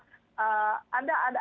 ada kebiasaan penumpang kan